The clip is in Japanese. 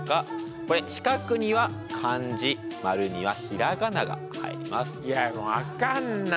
これ四角には漢字丸にはひらがなが入ります。